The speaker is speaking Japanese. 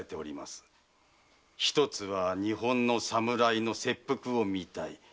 一つは日本の侍の切腹を見たい。